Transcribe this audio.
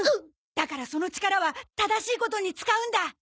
だからその力は正しいことに使うんだ！